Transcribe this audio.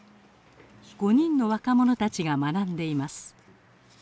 ５人の若者たちが学んでいます。